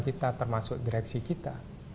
kita termasuk direksi kita